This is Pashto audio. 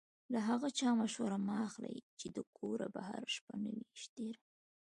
له هغه چا مشوره مه اخلئ چې د کوره بهر شپه نه وي تېره.